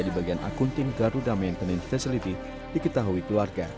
di bagian akun tim garuda maintenance facility diketahui keluarga